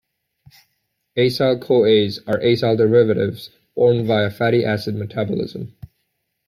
Acyl-CoAs are acyl derivatives formed via fatty acid metabolism.